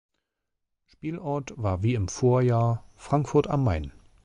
Spielort war wie im Vorjahr Frankfurt am Main.